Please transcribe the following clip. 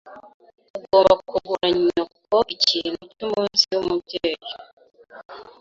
Ugomba kugura nyoko ikintu cyumunsi wumubyeyi.